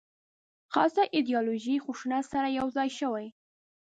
خاصه ایدیالوژي خشونت سره یو ځای شوې.